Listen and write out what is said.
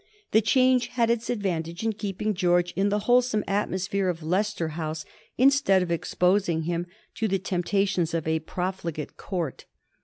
The change had its advantage in keeping George in the wholesome atmosphere of Leicester House instead of exposing him to the temptations of a profligate Court.